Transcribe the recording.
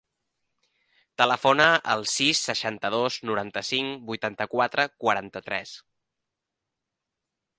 Telefona al sis, seixanta-dos, noranta-cinc, vuitanta-quatre, quaranta-tres.